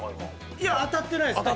いや、当たってないです。